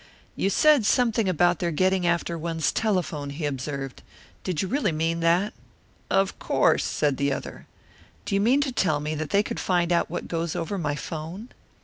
"You said something about their getting after one's telephone," he observed. "Did you really mean that?" "Of course," said the other. "Do you mean to tell me that they could find out what goes over my 'phone?"